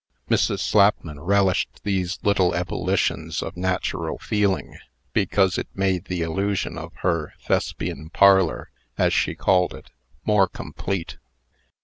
Mrs. Slapman relished these little ebullitions of natural feeling, because it made the illusion of her "Thespian parlor" (as she called it) more complete.